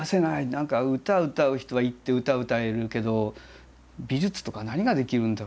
何か歌歌う人は行って歌歌えるけど美術とか何ができるんだ？